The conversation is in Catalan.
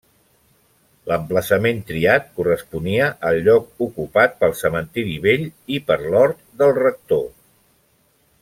L'emplaçament triat corresponia al lloc ocupat pel cementiri vell i per l'hort del rector.